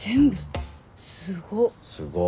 すごっ。